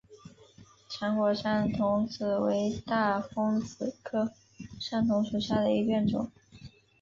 长果山桐子为大风子科山桐子属下的一个变种。